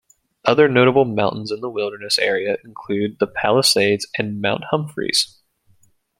Other notable mountains in the wilderness area include the Palisades and Mount Humphreys.